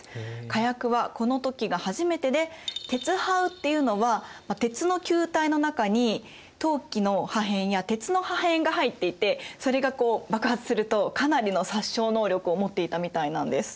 火薬はこの時が初めてでてつはうっていうのは鉄の球体の中に陶器の破片や鉄の破片が入っていてそれがこう爆発するとかなりの殺傷能力を持っていたみたいなんです。